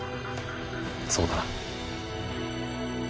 そうだな。